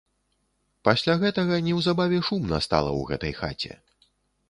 Пасля гэтага неўзабаве шумна стала ў гэтай хаце.